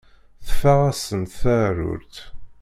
Teffeɣ-asent-d teεrurt.